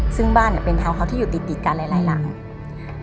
ซึ่งบ้านเนี่ยเป็นแถวเขาที่อยู่ติดติดกันไล่ไล่หลังอืม